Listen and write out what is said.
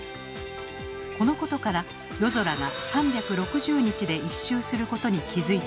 このことから夜空が３６０日で１周することに気付いたのです。